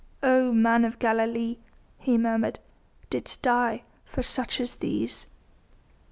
"Oh, Man of Galilee," he murmured, "didst die for such as these?"